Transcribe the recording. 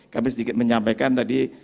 kami sedikit menyampaikan tadi